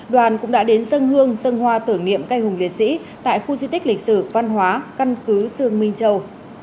đoàn cũng đã đến sân hương sân hoa tưởng niệm cây hùng liệt sĩ tại khu di tích lịch sử văn hóa căn cứ sương minh châu